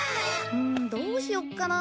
んどうしよっかな。